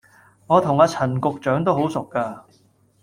我同阿陳局長都好熟架